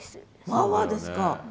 まあまあですか。